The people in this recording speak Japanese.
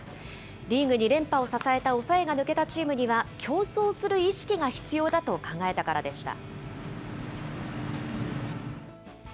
リーグ２連覇を支えた抑えが抜けたチームには、競争する意識が必要だと考えたからでした。